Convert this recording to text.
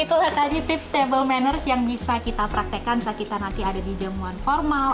itulah tadi tips table manners yang bisa kita praktekkan saat kita nanti ada di jamuan formal